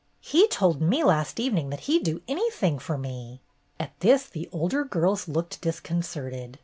"He told me last evening that he M do anything for me." At this the older girls looked disconcerted.